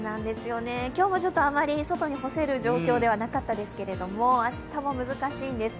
今日もちょっとあまり外に干せる状況ではなかったですけれども、明日も難しいんです。